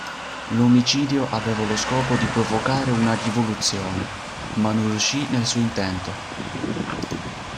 L'omicidio aveva lo scopo di provocare una rivoluzione, ma non riuscì nel suo intento.